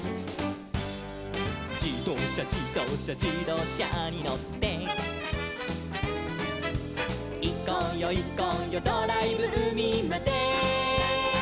「じどうしゃじどうしゃじどうしゃにのって」「いこうよいこうよドライブうみまで」